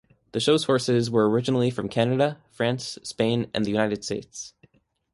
The show's horses were originally from Canada, France, Spain, and the United States.